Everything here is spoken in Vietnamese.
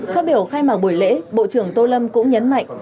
phát biểu khai mạc buổi lễ bộ trưởng tô lâm cũng nhấn mạnh